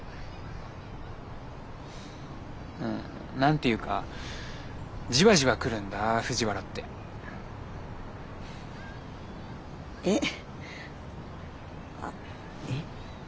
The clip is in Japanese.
ん何て言うかじわじわ来るんだ藤原って。えっ？あえ？